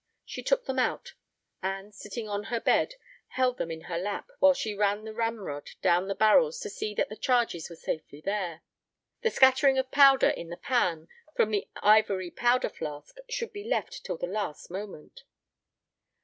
She took them out and, sitting on her bed, held them in her lap while she ran the ramrod down the barrels to see that the charges were safely there. The scattering of powder in the pan from the ivory powder flask should be left till the last moment.